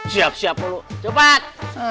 siap siap mulu cepat